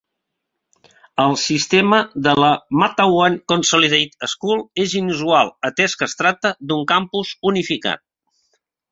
El sistema de la Mattawan Consolidated School és inusual atès que es tracta d'un campus unificat.